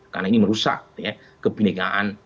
karena ini merusak kebeningan